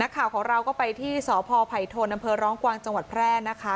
ข่าวของเราก็ไปที่สพไผ่โทนอำเภอร้องกวางจังหวัดแพร่นะคะ